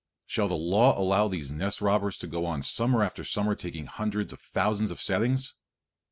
Shall the law allow these nest robbers to go on summer after summer taking hundreds of thousands of settings?